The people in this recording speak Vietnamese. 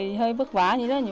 thì hơi bất vả như thế